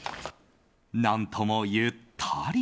何ともゆったり。